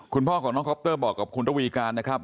คุณพ่อของน้องคอปเตอร์บอกกับคุณระวีการนะครับ